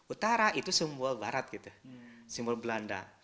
utara itu seumur barat gitu seumur belanda